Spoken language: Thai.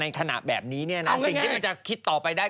ในขณะแบบนี้สิ่งที่มันจะคิดต่อไปได้